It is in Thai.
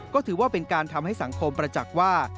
ก็ถือว่าเป็นการทำให้สังคมประจักษ์ว่า